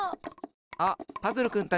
あっパズルくんたち。